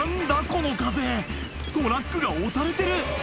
この風トラックが押されてる！